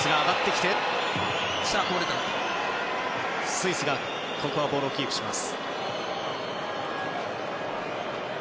スイスボールをキープします。